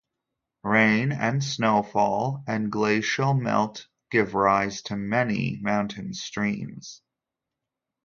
Rain and snowfall and glacial melt give rise to many mountain streams.